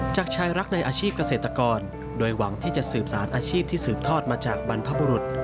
จากชายรักในอาชีพเกษตรกรโดยหวังที่จะสืบสารอาชีพที่สืบทอดมาจากบรรพบุรุษ